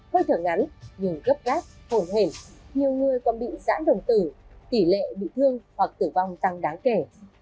hơi thở ngắn nhưng gấp gác hồn hềm nhiều người còn bị giãn đồng tử kỷ lệ bị thương hoặc tử vong tăng đáng kể